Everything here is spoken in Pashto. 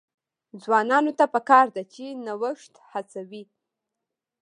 ځوانانو ته پکار ده چې، نوښت هڅوي.